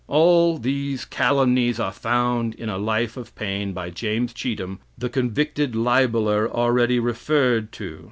All these calumnies are found in a life of Paine by James Cheetham, the convicted libeler already referred to.